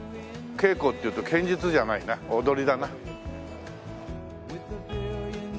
稽古っていうと剣術じゃないな踊りだな。